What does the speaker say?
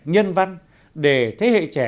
nhân văn để thế hệ trẻ